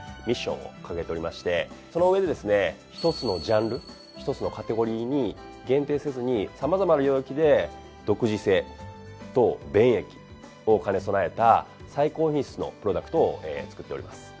ミッションを掲げておりましてその上でですね一つのジャンル一つのカテゴリーに限定せずに様々な領域で独自性と便益を兼ね備えた最高品質のプロダクトを作っております。